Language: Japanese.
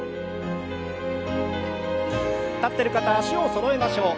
立ってる方は脚をそろえましょう。